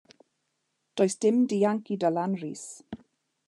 Does dim dianc i Dylan Rees.